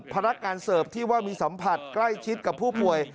พนักงานเสิร์ฟที่ว่ามีสัมผัสใกล้ชิดกับผู้ป่วย